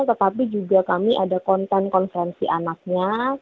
tetapi juga kami ada konten konferensi anaknya